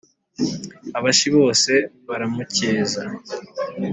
abashi bose baramucyeza